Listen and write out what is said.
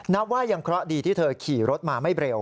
นับว่ายังเคราะห์ดีที่เธอขี่รถมาไม่เร็ว